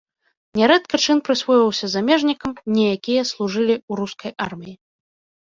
Нярэдка чын прысвойваўся замежнікам, не якія служылі ў рускай арміі.